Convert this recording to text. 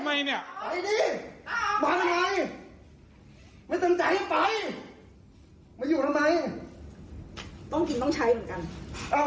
อ้าวมาทำไมไม่ต้องจ่ายให้ไปมาอยู่ทำไมต้องกินต้องใช้เหมือนกัน